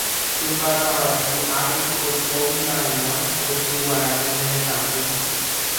Hymba kavaju ári oikómiva'erã oipyguara ñane retãpy.